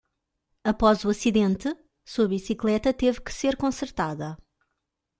Após o acidente? sua bicicleta teve que ser consertada.